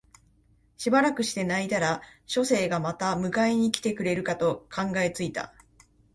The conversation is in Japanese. しばらくして泣いたら書生がまた迎えに来てくれるかと考え付いた